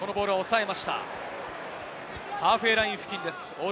ハーフウェイライン付近です。